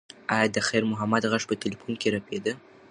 ایا د خیر محمد غږ په تلیفون کې رپېده؟